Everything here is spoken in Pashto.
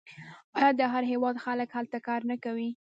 آیا د هر هیواد خلک هلته کار نه کوي؟